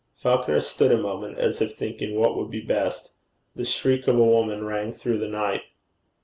Falconer stood a moment as if thinking what would be best. The shriek of a woman rang through the night.